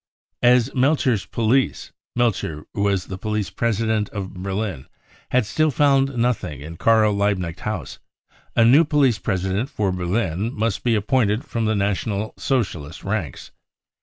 As Melcher's police (Melcher was police president of Berlin) had still found nothing in the Karl Liebknecht House, a new police president for Berlin must be ap pointed from the National Socialist ranks.